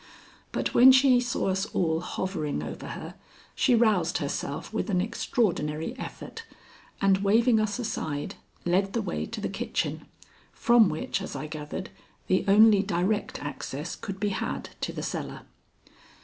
But when she saw us all hovering over her she roused herself with an extraordinary effort, and, waving us aside, led the way to the kitchen, from which, as I gathered, the only direct access could be had to the cellar.